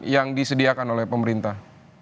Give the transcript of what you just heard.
yang disediakan oleh pemerintah